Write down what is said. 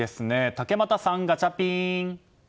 竹俣さん、ガチャピン！